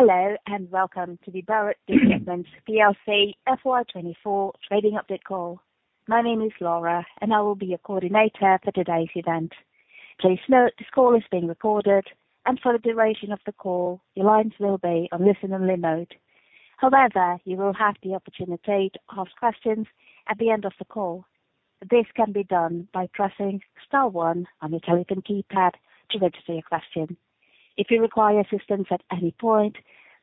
Hello, and welcome to the Barratt Developments PLC FY 2024 trading update call. My name is Laura, and I will be your coordinator for today's event. Please note, this call is being recorded, and for the duration of the call, your lines will be on listen-only mode. However, you will have the opportunity to ask questions at the end of the call. This can be done by pressing star one on your telephone keypad to register your question. If you require assistance at any point,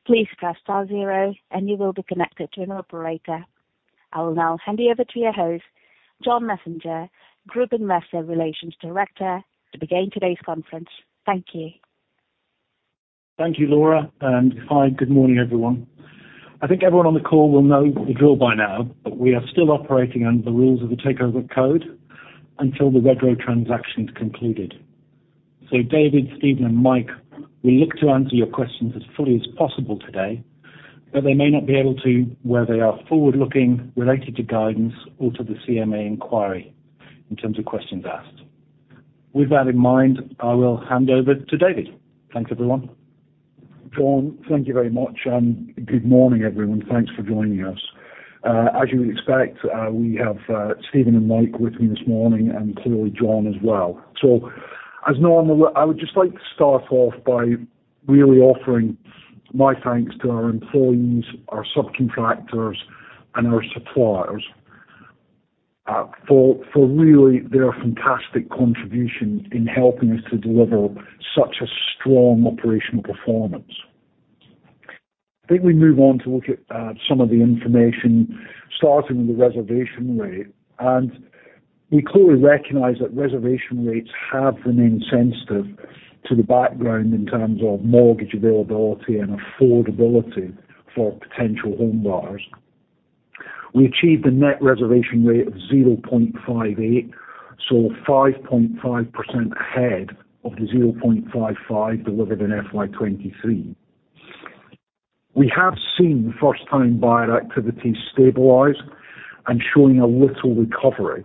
please press star zero and you will be connected to an operator. I will now hand you over to your host, John Messenger, Group Investor Relations Director, to begin today's conference. Thank you. Thank you, Laura, and hi, good morning, everyone. I think everyone on the call will know the drill by now, but we are still operating under the rules of the Takeover Code until the Redrow transaction is concluded. So David, Steven, and Mike, we look to answer your questions as fully as possible today, but they may not be able to, where they are forward-looking, related to guidance or to the CMA inquiry in terms of questions asked. With that in mind, I will hand over to David. Thanks, everyone. John, thank you very much, and good morning, everyone. Thanks for joining us. As you would expect, we have Steven and Mike with me this morning and clearly John as well. So as normal, I would just like to start off by really offering my thanks to our employees, our subcontractors, and our suppliers for really their fantastic contribution in helping us to deliver such a strong operational performance. I think we move on to look at some of the information, starting with the reservation rate, and we clearly recognize that reservation rates have remained sensitive to the background in terms of mortgage availability and affordability for potential home buyers. We achieved a net reservation rate of 0.58, so 5.5% ahead of the 0.55 delivered in FY 2023. We have seen first-time buyer activity stabilize and showing a little recovery.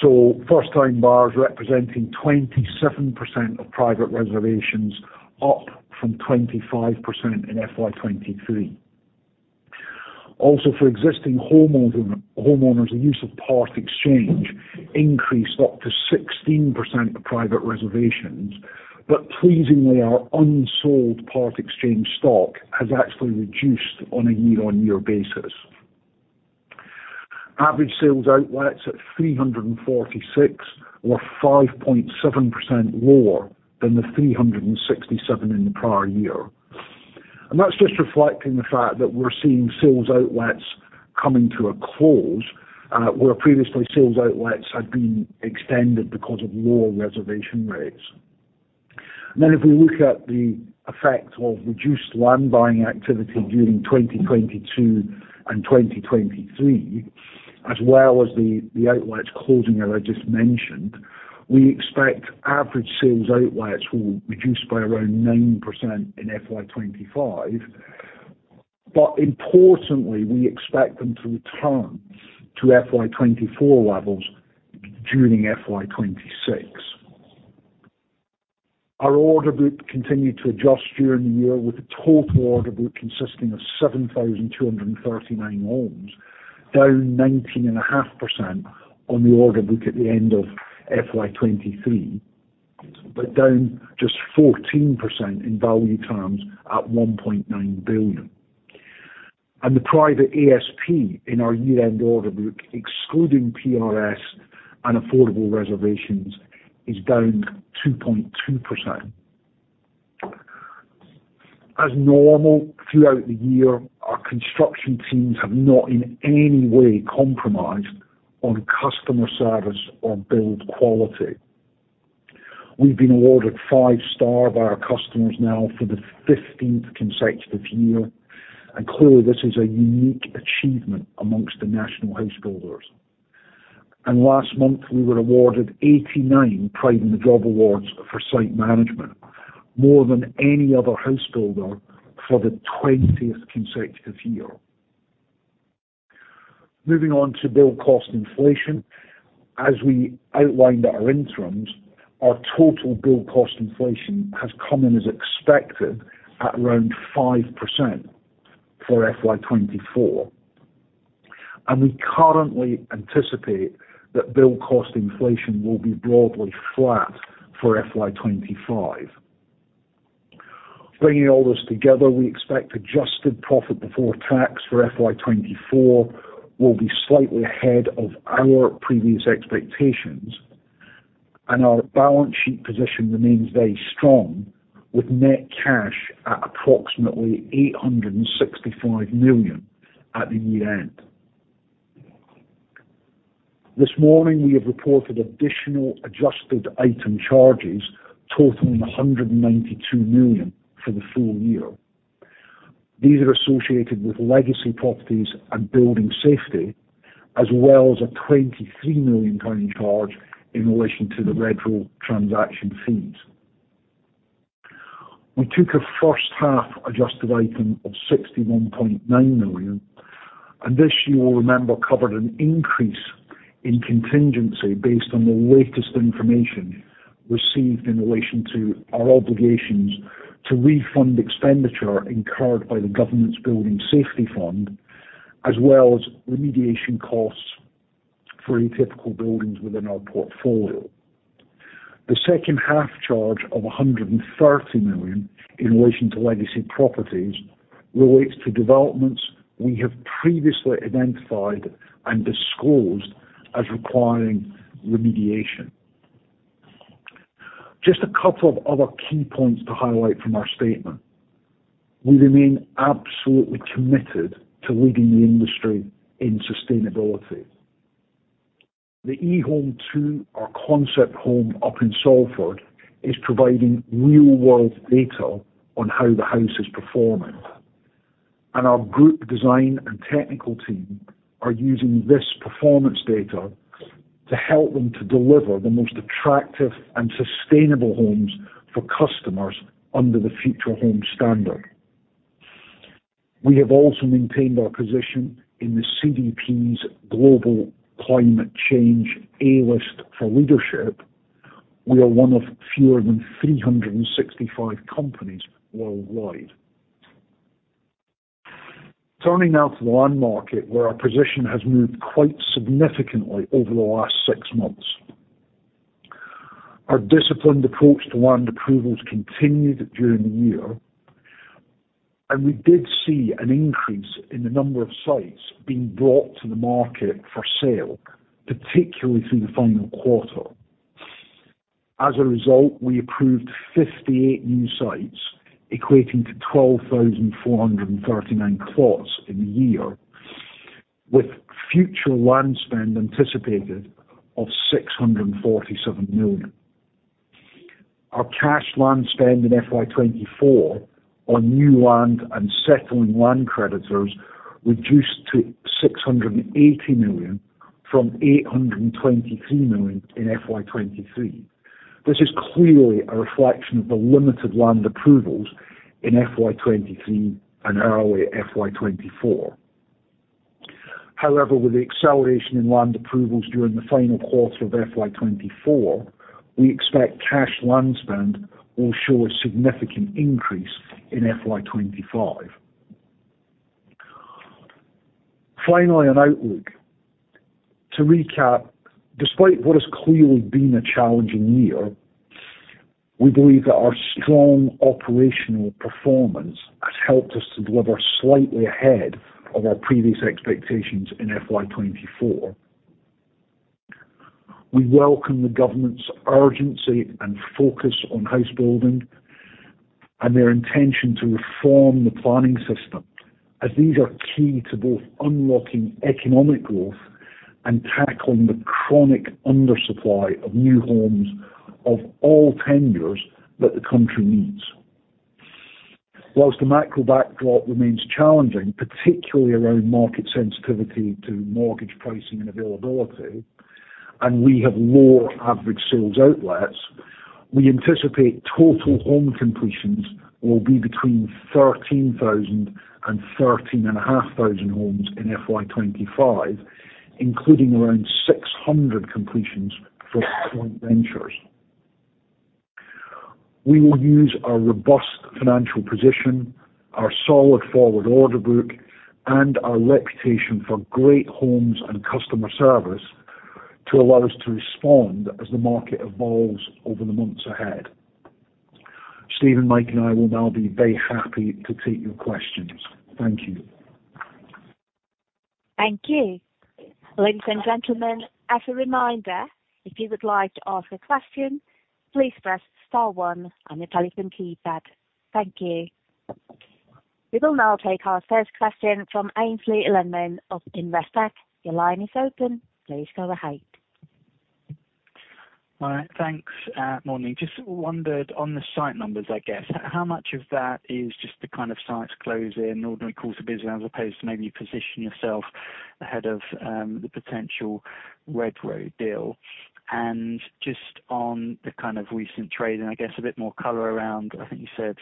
So first-time buyers representing 27% of private reservations, up from 25% in FY 2023. Also, for existing homeowner, homeowners, the use of part exchange increased up to 16% of private reservations, but pleasingly, our unsold part exchange stock has actually reduced on a year-on-year basis. Average sales outlets at 346, or 5.7% lower than the 367 in the prior year. And that's just reflecting the fact that we're seeing sales outlets coming to a close, where previously sales outlets had been extended because of lower reservation rates. Then, if we look at the effect of reduced land buying activity during 2022 and 2023, as well as the outlets closing that I just mentioned, we expect average sales outlets will reduce by around 9% in FY 2025. But importantly, we expect them to return to FY 2024 levels during FY 2026. Our order book continued to adjust during the year, with the total order book consisting of 7,239 homes, down 19.5% on the order book at the end of FY 2023, but down just 14% in value terms at 1.9 billion. And the private ASP in our year-end order book, excluding PRS and affordable reservations, is down 2.2%. As normal, throughout the year, our construction teams have not in any way compromised on customer service or build quality. We've been awarded 5-star by our customers now for the 15th consecutive year, and clearly, this is a unique achievement among the national house builders. Last month, we were awarded 89 Pride in the Job Awards for site management, more than any other house builder for the 20th consecutive year. Moving on to build cost inflation. As we outlined at our interims, our total build cost inflation has come in as expected at around 5% for FY 2024. We currently anticipate that build cost inflation will be broadly flat for FY 2025. Bringing all this together, we expect adjusted profit before tax for FY 2024 will be slightly ahead of our previous expectations, and our balance sheet position remains very strong, with net cash at approximately 865 million at the year-end. This morning, we have reported additional adjusted item charges totaling 192 million for the full year. These are associated with legacy properties and building safety, as well as a 23 million pound charge in relation to the Redrow transaction fees. We took a first-half adjusted item of 61.9 million, and this, you will remember, covered an increase in contingency based on the latest information received in relation to our obligations to refund expenditure incurred by the Government's Building Safety Fund, as well as remediation costs for atypical buildings within our portfolio. The second half charge of 130 million in relation to legacy properties relates to developments we have previously identified and disclosed as requiring remediation. Just a couple of other key points to highlight from our statement. We remain absolutely committed to leading the industry in sustainability. The eHome2, our concept home up in Salford, is providing real-world data on how the house is performing, and our group design and technical team are using this performance data to help them to deliver the most attractive and sustainable homes for customers under the Future Homes Standard. We have also maintained our position in the CDP's Global Climate Change A List for leadership. We are one of fewer than 365 companies worldwide. Turning now to the land market, where our position has moved quite significantly over the last six months. Our disciplined approach to land approvals continued during the year, and we did see an increase in the number of sites being brought to the market for sale, particularly through the final quarter. As a result, we approved 58 new sites, equating to 12,439 plots in the year, with future land spend anticipated of 647 million. Our cash land spend in FY 2024 on new land and settling land creditors reduced to 680 million from 823 million in FY 2023. This is clearly a reflection of the limited land approvals in FY 2023 and early FY 2024. However, with the acceleration in land approvals during the final quarter of FY 2024, we expect cash land spend will show a significant increase in FY 2025. Finally, on outlook. To recap, despite what has clearly been a challenging year, we believe that our strong operational performance has helped us to deliver slightly ahead of our previous expectations in FY 2024. We welcome the government's urgency and focus on house building and their intention to reform the planning system, as these are key to both unlocking economic growth and tackling the chronic undersupply of new homes of all tenures that the country needs. While the macro backdrop remains challenging, particularly around market sensitivity to mortgage pricing and availability, and we have lower average sales outlets, we anticipate total home completions will be between 13,000 and 13,500 homes in FY 2025, including around 600 completions for joint ventures. We will use our robust financial position, our solid forward order book, and our reputation for great homes and customer service to allow us to respond as the market evolves over the months ahead. Steven, Mike, and I will now be very happy to take your questions. Thank you. Thank you. Ladies and gentlemen, as a reminder, if you would like to ask a question, please press star one on your telephone keypad. Thank you. We will now take our first question from Aynsley Lammin of Investec. Your line is open. Please go ahead. All right, thanks, morning. Just wondered on the site numbers, I guess, how much of that is just the kind of sites closing ordinary course of business, as opposed to maybe you position yourself ahead of, the potential Redrow deal? And just on the kind of recent trading, I guess a bit more color around, I think you said,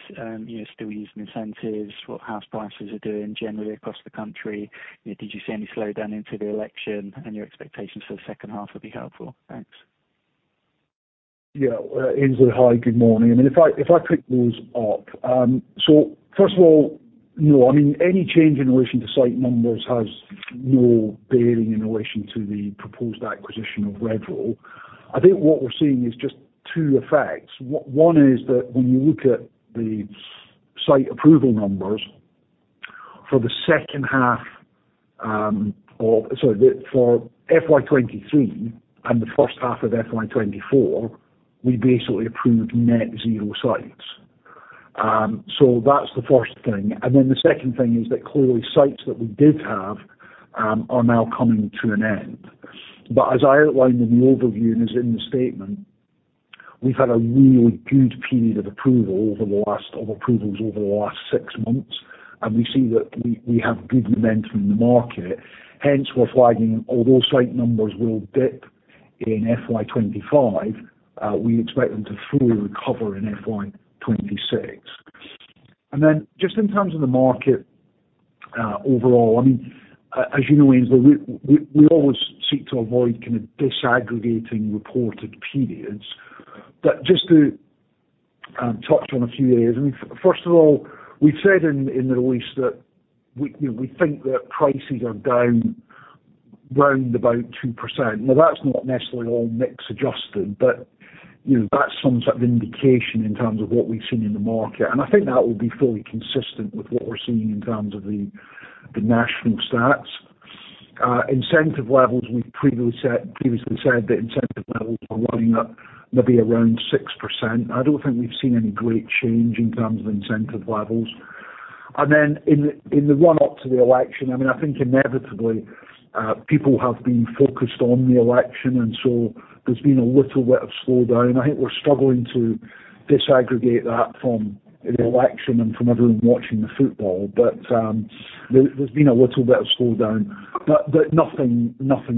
you're still using incentives. What house prices are doing generally across the country, did you see any slowdown into the election, and your expectations for the second half would be helpful? Thanks. Yeah, Aynsley, hi, good morning. I mean, if I, if I pick those up, so first of all, no, I mean, any change in relation to site numbers has no bearing in relation to the proposed acquisition of Redrow. I think what we're seeing is just two effects. One is that when you look at the site approval numbers for the second half of FY 2023 and the first half of FY 2024, we basically approved net zero sites. So that's the first thing. And then the second thing is that clearly, sites that we did have are now coming to an end. But as I outlined in the overview, and as in the statement, we've had a really good period of approvals over the last six months, and we see that we have good momentum in the market. Hence, we're flagging, although site numbers will dip in FY 25, we expect them to fully recover in FY 26. And then just in terms of the market, overall, I mean, as you know, Aynsley, we always seek to avoid kind of disaggregating reported periods. But just to touch on a few areas. I mean, first of all, we said in the release that we, you know, we think that prices are down round about 2%. Now, that's not necessarily all mix adjusted, but, you know, that's some sort of indication in terms of what we've seen in the market. I think that will be fully consistent with what we're seeing in terms of the national stats. Incentive levels, we've previously said, previously said that incentive levels are running up maybe around 6%. I don't think we've seen any great change in terms of incentive levels. And then in the run up to the election, I mean, I think inevitably, people have been focused on the election, and so there's been a little bit of slowdown. I think we're struggling to disaggregate that from the election and from everyone watching the football. But, there's been a little bit of slowdown, but nothing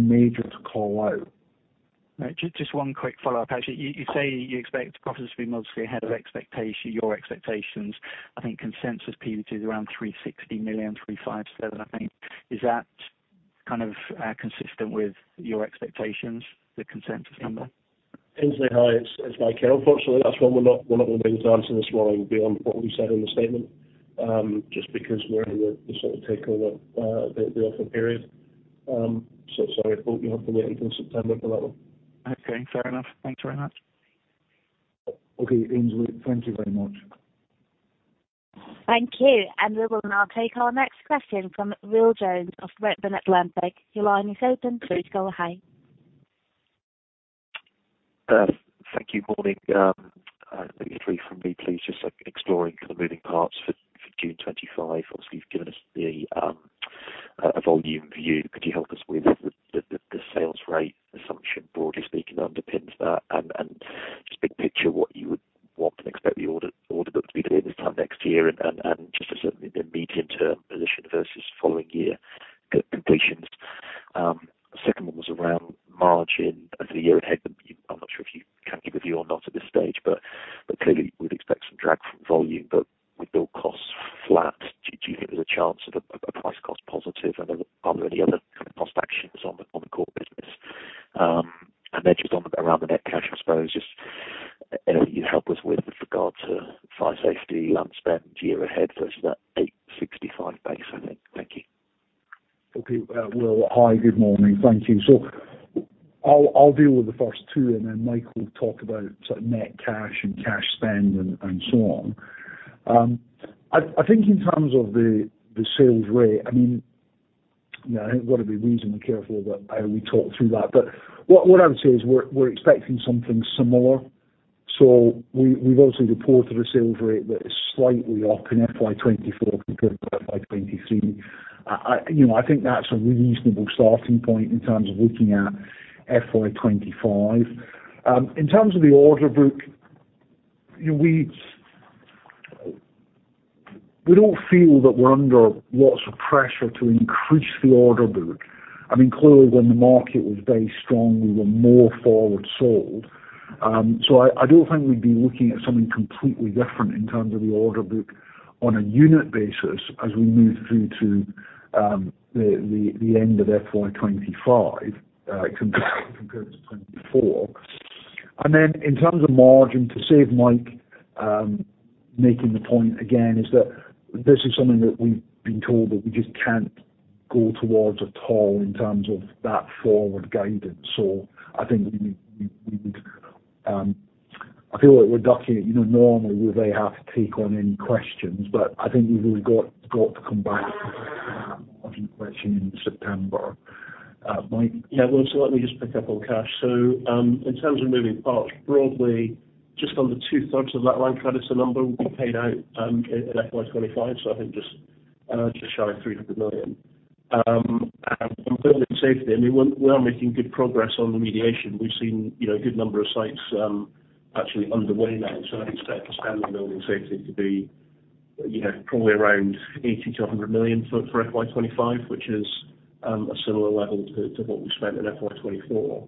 major to call out. Right. Just one quick follow-up, actually. You say you expect profits to be mostly ahead of expectation, your expectations. I think consensus PBT is around 360 million, 357, I think. Is that kind of consistent with your expectations, the consensus number? Aynsley, hi, it's Mike Scott. Unfortunately, that's one we're not going to be able to answer this morning beyond what we said in the statement, just because we're in the sort of takeover, the offer period. So sorry, but you'll have to wait until September for that one. Okay, fair enough. Thanks very much. Okay, Aynsley, thank you very much. Thank you. We will now take our next question from Will Jones of Redburn Atlantic. Your line is open. Please go ahead. Thank you. Morning. three from me, please. Just, like, exploring kind of moving parts for June 25. Obviously, you've given us a volume view. Could you help us with the sales rate assumption, broadly speaking, that underpins that? And just big picture, what you would want and expect the order book to be doing this time next year and just certainly the medium-term position versus following year co-completions. The second one was around margin for the year ahead. But you, I'm not sure if you can give a view or not at this stage, but clearly we'd expect some drag from volume, but with build costs flat, do you think there's a chance of a price cost positive? Are there any other kind of cost actions on the core business? And then just on, around the net cash, I suppose, just anything you'd help us with regard to fire safety, unspent year ahead versus that 865 base, I think. Thank you. Okay. Will, hi, good morning. Thank you. So I'll, I'll deal with the first two, and then Mike will talk about sort of net cash and cash spend and so on. I, I think in terms of the, the sales rate, I mean, you know, I think we've got to be reasonably careful that we talk through that. But what, what I would say is we're, we're expecting something similar. So we, we've also reported a sales rate that is slightly up in FY 2024 compared to FY 2023. You know, I think that's a reasonable starting point in terms of looking at FY 2025. In terms of the order book, you know, we, we don't feel that we're under lots of pressure to increase the order book. I mean, clearly, when the market was very strong, we were more forward sold. So I don't think we'd be looking at something completely different in terms of the order book on a unit basis as we move through to the end of FY 2025, compared to 2024. And then in terms of margin, to save Mike making the point again, is that this is something that we've been told that we just can't go towards at all in terms of that forward guidance. So I think I feel like we're ducking it. You know, normally, we're very happy to take on any questions, but I think we've really got to come back on the question in September. Mike? Yeah, well, so let me just pick up on cash. So, in terms of moving parts, broadly, just under two-thirds of that line of credit, so the number will be paid out, in FY 2025, so I think just, just shy of 300 million. And building safety, I mean, we are making good progress on the mediation. We've seen, you know, a good number of sites, actually underway now, so I'd expect the spend on building safety to be, you know, probably around 80-100 million for, for FY 2025, which is, a similar level to, to what we spent in FY 2024.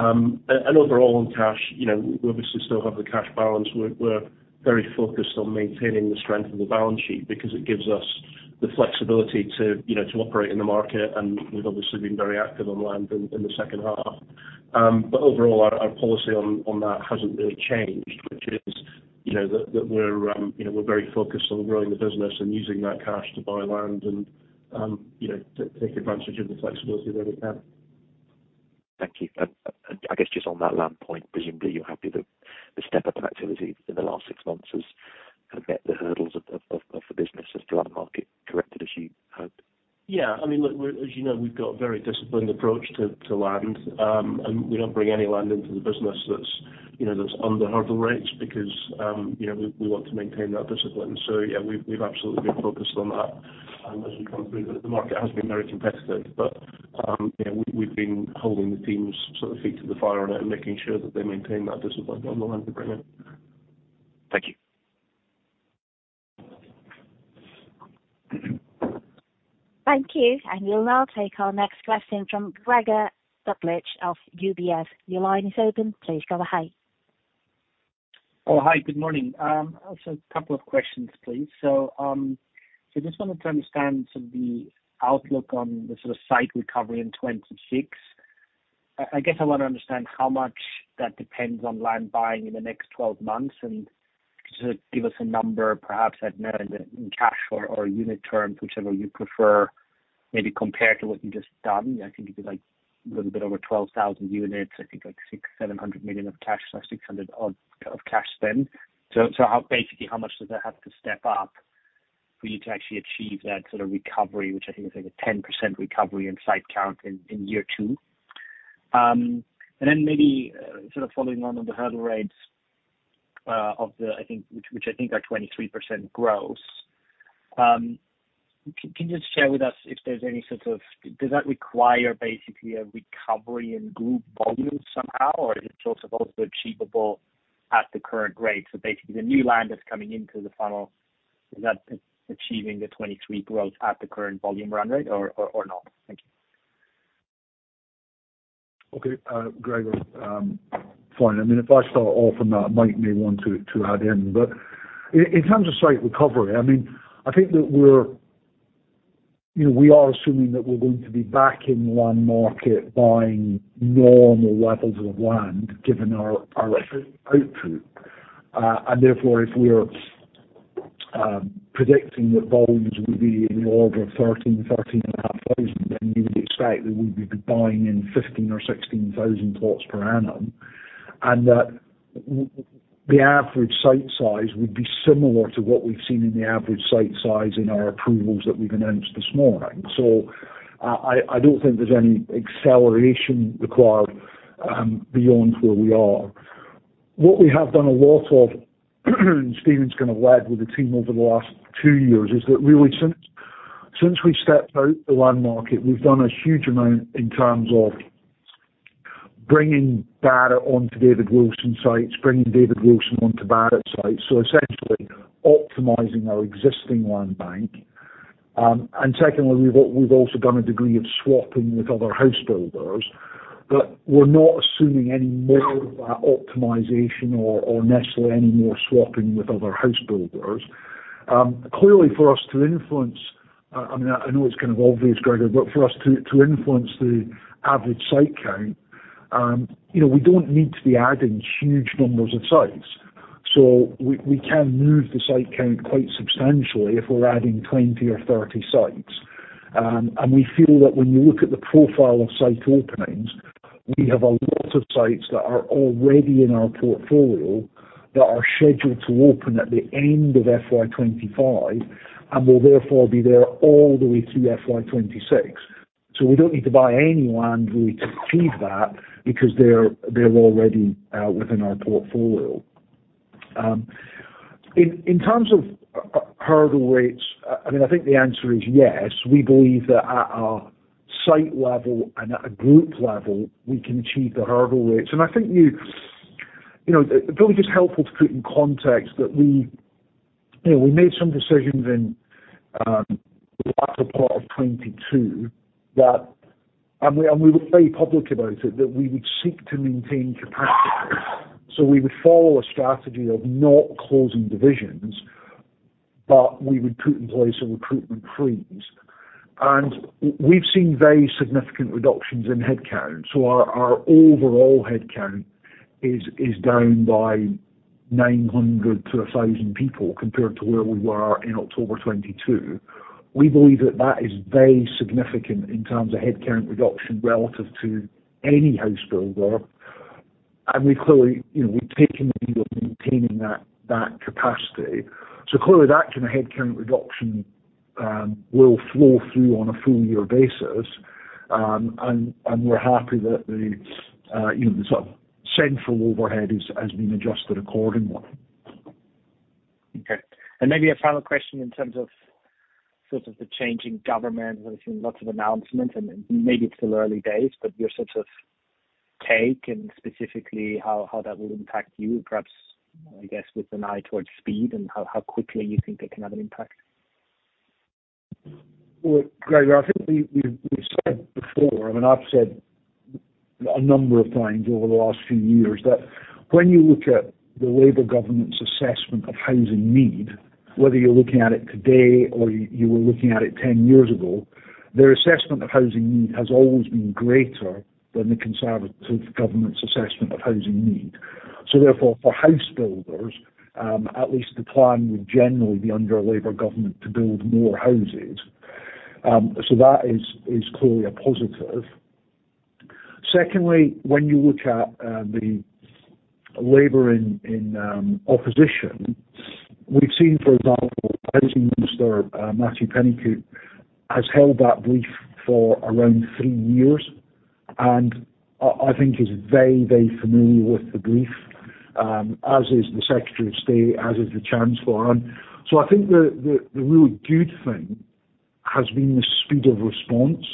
And overall, on cash, you know, we obviously still have the cash balance. We're very focused on maintaining the strength of the balance sheet because it gives us the flexibility to, you know, to operate in the market, and we've obviously been very active on land in the second half. But overall, our policy on that hasn't really changed, which is, you know, that we're very focused on growing the business and using that cash to buy land and, you know, take advantage of the flexibility that we have. Thank you. And I guess just on that last point, presumably you're happy that the step up in activity in the last six months has kind of met the hurdles of the business as to that market corrected as you had? Yeah. I mean, look, we're, as you know, we've got a very disciplined approach to land. And we don't bring any land into the business that's, you know, that's under hurdle rates because, you know, we want to maintain that discipline. So yeah, we've absolutely been focused on that, and as we come through, the market has been very competitive. But, you know, we've been holding the teams' feet to the fire on it and making sure that they maintain that discipline on the land we bring in. Thank you. Thank you. We'll now take our next question from Gregor Kuglitsch of UBS. Your line is open. Please go ahead. Oh, hi, good morning. So a couple of questions, please. So just wanted to understand sort of the outlook on the sort of site recovery in 2026. I guess I want to understand how much that depends on land buying in the next 12 months, and just give us a number, perhaps, I don't know, in cash or unit terms, whichever you prefer, maybe compared to what you've just done. I think it'd be, like, a little bit over 12,000 units, I think like 600-700 million of cash, or 600 million of cash spend. So basically, how much does that have to step up for you to actually achieve that sort of recovery, which I think is like a 10% recovery in site count in year two? And then maybe, sort of following on with the hurdle rates, of the, I think, which I think are 23% growth. Can you just share with us if there's any sort of—does that require basically a recovery in group volumes somehow, or is it also achievable at the current rate? So basically, the new land that's coming into the funnel, is that achieving the 23% growth at the current volume run rate, or not? Thank you. Okay, Gregor, fine. I mean, if I start off on that, Mike may want to add in. But in terms of site recovery, I mean, I think that we're, you know, we are assuming that we're going to be back in the land market buying normal levels of land, given our output. And therefore, if we're predicting that volumes will be in the order of 13-13.5 thousand, then you would expect that we would be buying 15,000 or 16,000 plots per annum, and that the average site size would be similar to what we've seen in the average site size in our approvals that we've announced this morning. So I don't think there's any acceleration required, beyond where we are. What we have done a lot of, and Steven's kind of led with the team over the last two years, is that really, since we've stepped out of the land market, we've done a huge amount in terms of bringing Barratt onto David Wilson sites, bringing David Wilson onto Barratt sites, so essentially optimizing our existing land bank. And secondly, we've also done a degree of swapping with other house builders, but we're not assuming any more of that optimization or necessarily any more swapping with other house builders. Clearly, for us to influence, I mean, I know it's kind of obvious, Gregor, but for us to influence the average site count, you know, we don't need to be adding huge numbers of sites. So we can move the site count quite substantially if we're adding 20 or 30 sites. And we feel that when you look at the profile of site openings, we have a lot of sites that are already in our portfolio that are scheduled to open at the end of FY 25, and will therefore be there all the way through FY 26. So we don't need to buy any land really to achieve that, because they're already within our portfolio. In terms of hurdle rates, I mean, I think the answer is yes. We believe that at a site level and at a group level, we can achieve the hurdle rates. And I think you... You know, it's probably just helpful to put in context that we, you know, we made some decisions in the latter part of 2022 that we were very public about it, that we would seek to maintain capacity. So we would follow a strategy of not closing divisions, but we would put in place a recruitment freeze. We've seen very significant reductions in headcount, so our overall headcount is down by 900-1,000 people, compared to where we were in October 2022. We believe that that is very significant in terms of headcount reduction relative to any house builder. We clearly, you know, we've taken the view of maintaining that capacity. So clearly, that kind of headcount reduction will flow through on a full year basis. And we're happy that the, you know, the sort of central overhead has been adjusted accordingly. Okay, and maybe a final question in terms of sort of the changing government. I've seen lots of announcements, and maybe it's still early days, but your sort of take, and specifically, how, how that will impact you, perhaps, I guess, with an eye towards speed and how, how quickly you think it can have an impact? Well, Gregor, I think we've said before, and I've said a number of times over the last few years, that when you look at the Labour government's assessment of housing need, whether you're looking at it today or you were looking at it 10 years ago, their assessment of housing need has always been greater than the Conservative government's assessment of housing need. So therefore, for house builders, at least the plan would generally be under a Labour government to build more houses. So that is clearly a positive. Secondly, when you look at the Labour in opposition, we've seen, for example, Housing Minister Matthew Pennycook has held that brief for around three years, and I think is very, very familiar with the brief, as is the Secretary of State, as is the Chancellor. And so I think the really good thing has been the speed of response.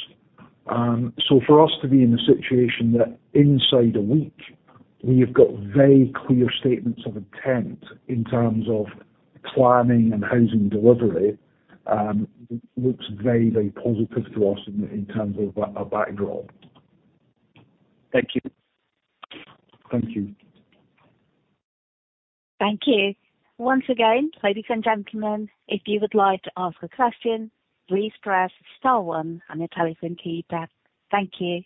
So for us to be in a situation that inside a week, we have got very clear statements of intent in terms of planning and housing delivery, looks very, very positive to us in terms of a backdrop. Thank you. Thank you. Thank you. Once again, ladies and gentlemen, if you would like to ask a question, please press star one on your telephone keypad. Thank you.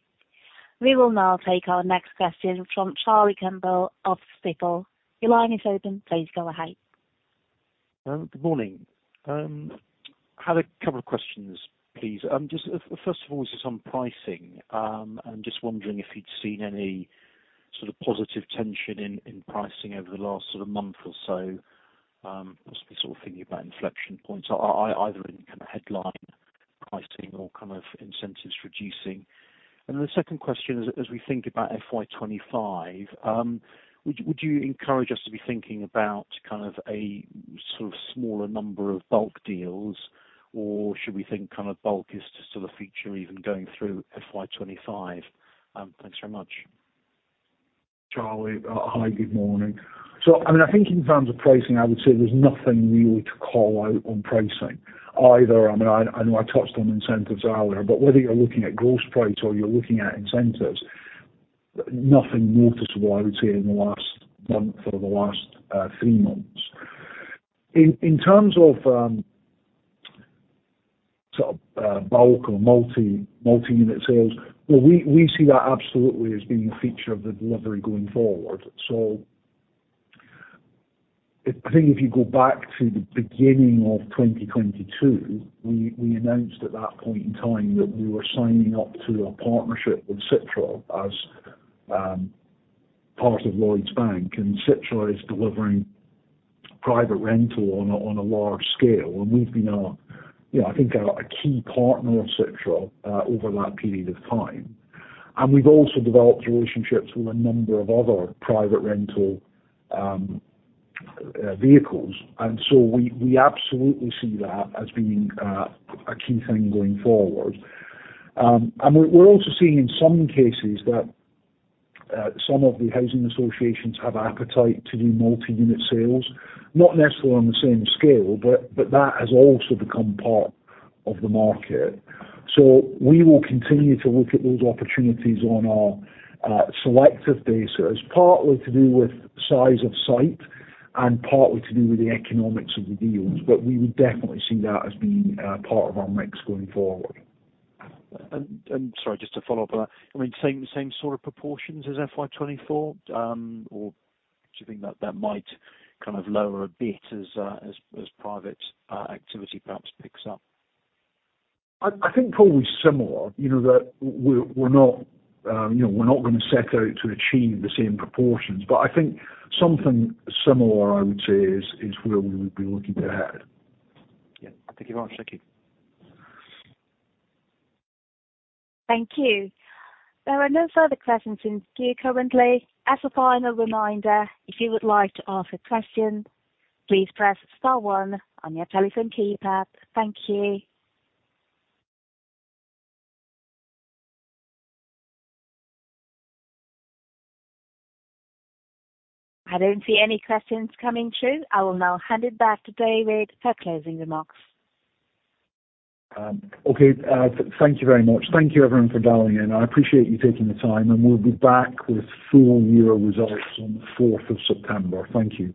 We will now take our next question from Charlie Campbell of Stifel. Your line is open. Please go ahead. Good morning. Had a couple of questions, please. Just first of all, just on pricing. I'm just wondering if you'd seen any sort of positive tension in pricing over the last sort of month or so, just sort of thinking about inflection points, either in kind of headline pricing or kind of incentives reducing. And then the second question, as we think about FY 25, would you encourage us to be thinking about kind of a sort of smaller number of bulk deals, or should we think kind of bulk is just sort of feature even going through FY 25? Thanks very much. Charlie, hi, good morning. So, I mean, I think in terms of pricing, I would say there's nothing really to call out on pricing either. I mean, I know I touched on incentives earlier, but whether you're looking at gross price or you're looking at incentives, nothing noticeable, I would say, in the last month or the last three months. In terms of sort of bulk or multi-unit sales, well, we see that absolutely as being a feature of the delivery going forward. So I think if you go back to the beginning of 2022, we announced at that point in time that we were signing up to a partnership with Citra as part of Lloyds Bank, and Citra is delivering private rental on a large scale. And we've been a you know I think a key partner of Citra over that period of time. And we've also developed relationships with a number of other private rental vehicles. And so we absolutely see that as being a key thing going forward. And we're also seeing in some cases that some of the housing associations have appetite to do multi-unit sales, not necessarily on the same scale, but that has also become part of the market. So we will continue to look at those opportunities on a selective basis, partly to do with size of site and partly to do with the economics of the deals. But we would definitely see that as being part of our mix going forward. Sorry, just to follow up on that. I mean, the same sort of proportions as FY 2024, or do you think that that might kind of lower a bit as private activity perhaps picks up? I think probably similar, you know, that we're not gonna set out to achieve the same proportions, but I think something similar, I would say, is where we would be looking to head. Yeah. Thank you very much. Thank you. Thank you. There are no further questions in queue currently. As a final reminder, if you would like to ask a question, please press star one on your telephone keypad. Thank you. I don't see any questions coming through. I will now hand it back to David for closing remarks. Okay, thank you very much. Thank you, everyone, for dialing in. I appreciate you taking the time, and we'll be back with full year results on the 4th of September. Thank you.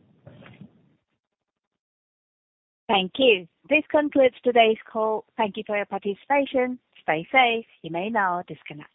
Thank you. This concludes today's call. Thank you for your participation. Stay safe. You may now disconnect.